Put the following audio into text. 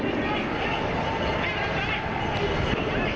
เพราะตอนนี้ก็ไม่มีเวลาให้เข้าไปที่นี่